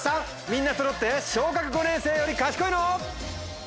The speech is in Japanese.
みんなそろって小学５年生より賢いの？